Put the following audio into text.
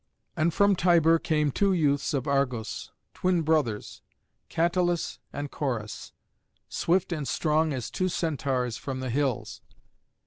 And from Tibur came two youths of Argos, twin brothers, Catillus and Coras, swift and strong as two Centaurs from the hills.